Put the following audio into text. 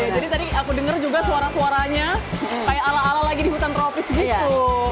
jadi tadi aku dengar juga suara suaranya kayak ala ala lagi di hutan tropis gitu